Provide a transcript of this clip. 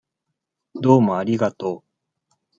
どうもありがとう。